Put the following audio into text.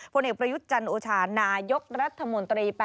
คนเอกประยุจจันตรีโอชาณายกรัฐมนตรี